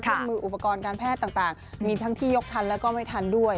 มืออุปกรณ์การแพทย์ต่างมีทั้งที่ยกทันแล้วก็ไม่ทันด้วย